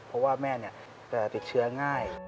เพราะว่าแม่จะติดเชื้อง่าย